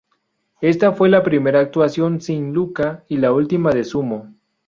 Esta fue la primera actuación sin Luca y la última de Sumo.